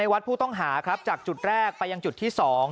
ในวัดผู้ต้องหาจากจุดแรกไปที่จุดที่สอง